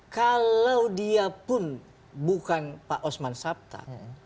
kalau dia pun bukan pak osman sabta